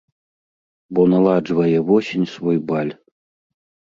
Бо наладжвае восень свой баль.